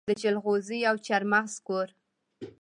د جلغوزي او چارمغز کور.